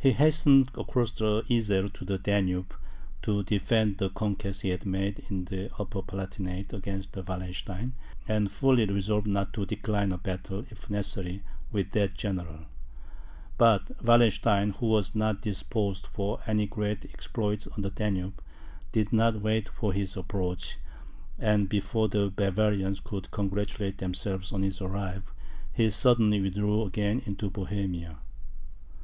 He hastened across the Iser to the Danube, to defend the conquests he had made in the Upper Palatinate against Wallenstein, and fully resolved not to decline a battle, if necessary, with that general. But Wallenstein, who was not disposed for any great exploits on the Danube, did not wait for his approach; and before the Bavarians could congratulate themselves on his arrival, he suddenly withdrew again into Bohemia.